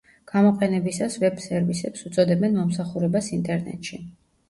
გამოყენებისას ვებ–სერვისებს უწოდებენ მომსახურებას ინტერნეტში.